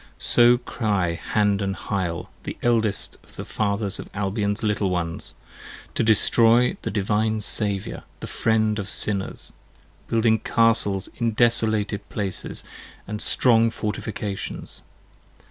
So cry Hand & Hyle the eldest of the fathers of Albion's Little ones: to destroy the Divine Saviour, the Friend of Sinners; Building Castles in desolated places, and strong Fortifications.